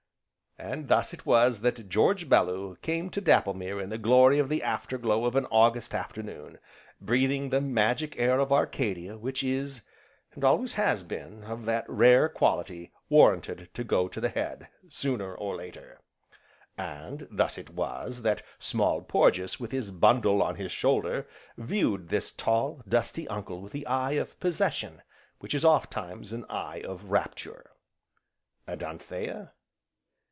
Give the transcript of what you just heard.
And thus it was that George Bellew came to Dapplemere in the glory of the after glow of an August afternoon, breathing the magic air of Arcadia which is, and always has been, of that rare quality warranted to go to the head, sooner, or later. And thus it was that Small Porges with his bundle on his shoulder, viewed this tall, dusty Uncle with the eye of possession which is oft times an eye of rapture. And Anthea?